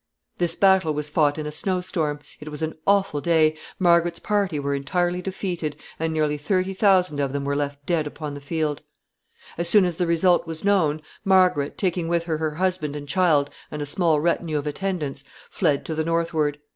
This battle was fought in a snow storm. It was an awful day. Margaret's party were entirely defeated, and nearly thirty thousand of them were left dead upon the field. [Sidenote: Flight of the queen.] As soon as the result was known, Margaret, taking with her her husband and child and a small retinue of attendants, fled to the northward.